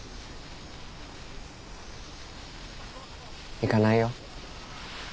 行かないよ。